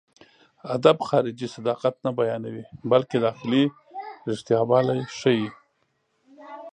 ادب خارجي صداقت نه بيانوي، بلکې داخلي رښتياوالی ښيي.